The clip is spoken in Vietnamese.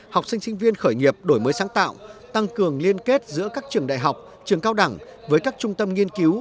học sinh sinh viên khởi nghiệp đổi mới sáng tạo tăng cường liên kết giữa các trường đại học trường cao đẳng với các trung tâm nghiên cứu